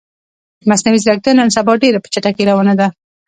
مصنوعی ځیرکتیا نن سبا ډیره په چټکې روانه ده